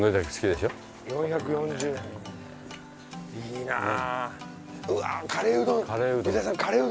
いいなあ。